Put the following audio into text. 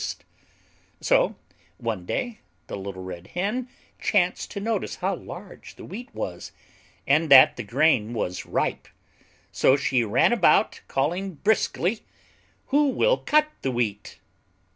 So one day the Little Red Hen chanced to notice how large the Wheat was and that the grain was ripe, so she ran about calling briskly: "Who will cut the Wheat?"